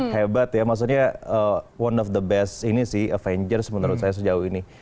hebat ya maksudnya one of the best ini sih avengers menurut saya sejauh ini